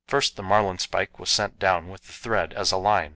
First the marlinspike was sent down with the thread as a line.